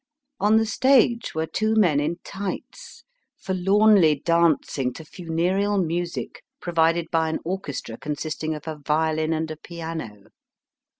On the stage were two men in tights, forlornly dancing to funereal music provided by an orchestra consisting of a violin and a piano.